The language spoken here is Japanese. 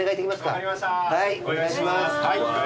お願いします。